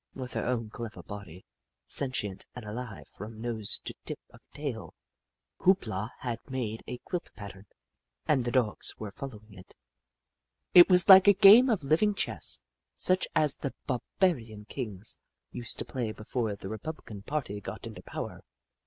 With her own clever body, sentient and alive from nose to tip of tail, Hoop La had made a quilt pattern, and the Dogs were following it ' Hoop La 153 It was like a game of living chess, such as the barbarian kings used to play before the Re publican party got into power.